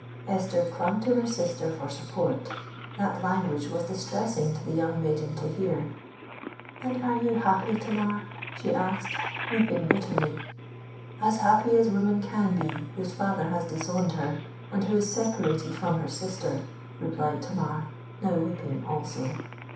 "—Esther clung to her sister for support: that language was distressing to the young maiden to hear.—"And are you happy, Tamar?" she asked, weeping bitterly.—"As happy as woman can be, whose father has disowned her and who is separated from her sister," replied Tamar, now weeping also.